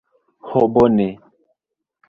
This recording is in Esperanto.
Ho bone.